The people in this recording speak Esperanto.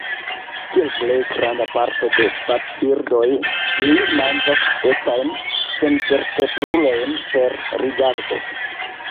Kiel plej granda parto de vadbirdoj, ili manĝas etajn senvertebrulojn per rigardo.